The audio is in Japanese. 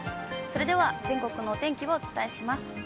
それでは全国のお天気をお伝えします。